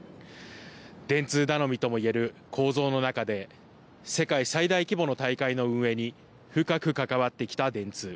電通頼みともいえる構造の中で、世界最大規模の大会の運営に深く関わってきた電通。